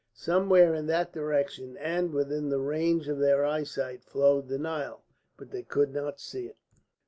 Somewhere in that direction and within the range of their eyesight flowed the Nile, but they could not see it.